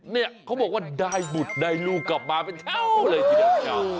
เนี่ยเขาบอกว่าได้บุตรได้ลูกกลับมาเป็นเท่าเลยที่ได้บุตร